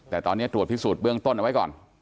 แต่ตอนนี้ตรวจพิสูจน์เบื้องต้นเอาไว้ก่อน